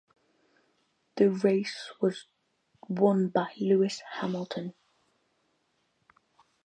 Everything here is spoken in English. The race was won by Lewis Hamilton.